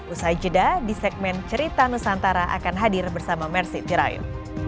usai jeda di segmen cerita nusantara akan hadir bersama mersit jerayu